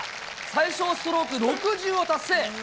最少ストローク６０を達成。